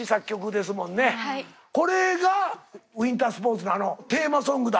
これがウィンタースポーツのあのテーマソングだ。